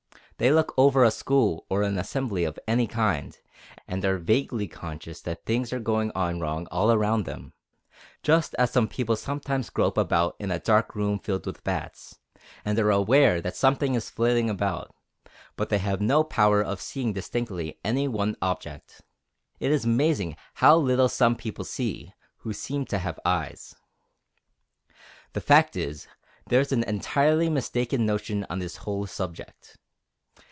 They look over a school or an assembly of any kind, and are vaguely conscious that things are going on wrong all around them, just as people sometimes grope about in a dark room filled with bats, and are aware that something is flitting about, but they have no power of seeing distinctly any one object. It is amazing how little some people see, who seem to have eyes. The fact is, there is an entirely mistaken notion on this whole subject.